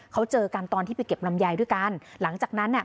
เขาเจอกันตอนที่ไปเก็บลำไยด้วยกันหลังจากนั้นอ่ะ